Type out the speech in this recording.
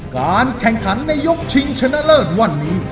การแข่งขันในยกชิงชนะเลิศวันนี้